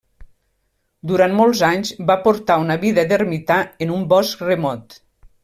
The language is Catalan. Durant molts anys va portar una vida d'ermità en un bosc remot.